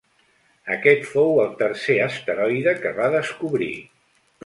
Aquest fou el tercer asteroide que va descobrir.